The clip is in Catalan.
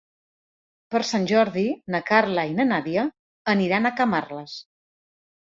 Per Sant Jordi na Carla i na Nàdia aniran a Camarles.